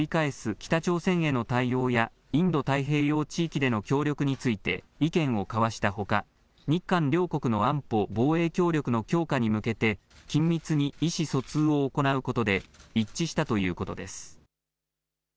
北朝鮮への対応やインド太平洋地域での協力について意見を交わしたほか日韓両国の安保・防衛協力の強化に向けて緊密に意思疎通を行うことで一致したということです。